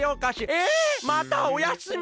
えっまたおやすみ！？